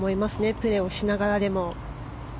プレーをしながらでも。